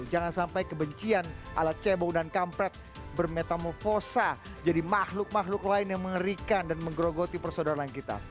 jangan sampai kebencian alat cebong dan kampret bermetamofosa jadi makhluk makhluk lain yang mengerikan dan menggerogoti persaudaraan kita